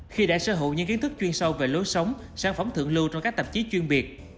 khi đã sở hữu những kiến thức chuyên sâu về lối sống sản phẩm thượng lưu trong các tạp chí chuyên biệt